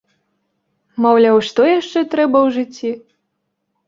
Маўляў, што яшчэ трэба ў жыцці?